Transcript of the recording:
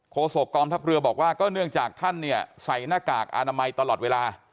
โศกองทัพเรือบอกว่าก็เนื่องจากท่านเนี่ยใส่หน้ากากอนามัยตลอดเวลา